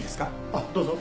あっどうぞ。